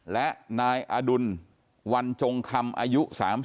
และนายอดุลวันจงคำอายุ๓๐